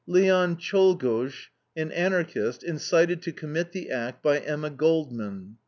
"Leon Czolgosz, an Anarchist, incited to commit the act by Emma Goldman."